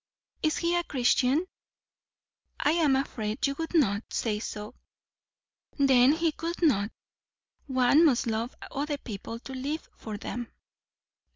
"Is he a Christian?" "I am afraid you would not say so." "Then he could not. One must love other people, to live for them."